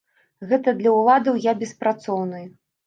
Гэта для ўладаў я беспрацоўны.